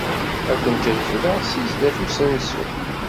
Ad kent-refdeɣ seg sdat n usensu.